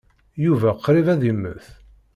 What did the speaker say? Yuba qṛib ad immet.